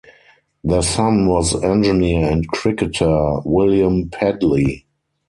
Their son was engineer and cricketer William Pedley.